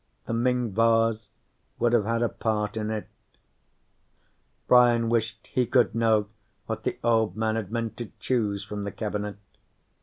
The Ming vase would have had a part in it. Brian wished he could know what the old man had meant to choose from the cabinet.